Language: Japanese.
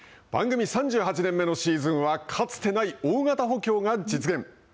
番組３８年目のシーズンはかつてない大型補強が実現。